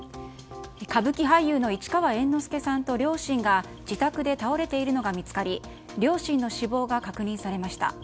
歌舞伎俳優の市川猿之助さんと両親が自宅で倒れているのが見つかり両親の死亡が確認されました。